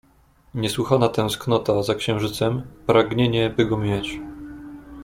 Niesłychana tęsknota za księżycem, pragnienie, by go mieć.